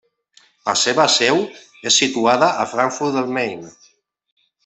La seva seu és situada a Frankfurt del Main.